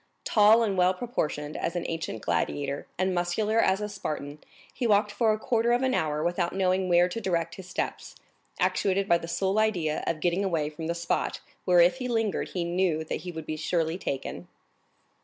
Tall and well proportioned as an ancient gladiator, and muscular as a Spartan, he walked for a quarter of an hour without knowing where to direct his steps, actuated by the sole idea of getting away from the spot where if he lingered he knew that he would surely be taken.